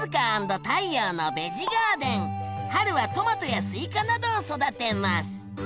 春はトマトやスイカなどを育てます。